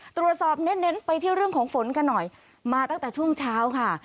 เน้นเน้นไปที่เรื่องของฝนกันหน่อยมาตั้งแต่ช่วงเช้าค่ะ